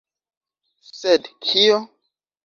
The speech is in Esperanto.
Sed kio?